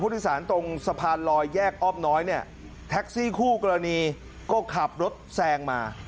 ที่สารตรงสะพานลอยแยกอ้อมน้อยเนี่ยแท็กซี่คู่กรณีก็ขับรถแซงมา